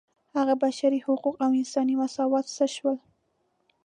هغه بشري حقوق او انساني مساوات څه شول.